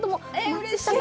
うれしい。